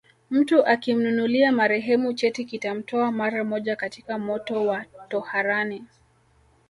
Mtu akimnunulia marehemu cheti kitamtoa mara moja katika moto wa toharani